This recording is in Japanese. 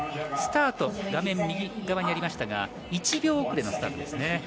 スタート画面右側にありましたが１秒遅れのスタートです。